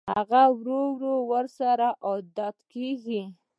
هغه ورو ورو ورسره عادت کېږي